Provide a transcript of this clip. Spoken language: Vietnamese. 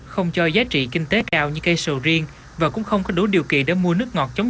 không cho giá trị kinh tế cao như cây sầu riêng và cũng không có đủ điều kiện để mua nước ngọt chống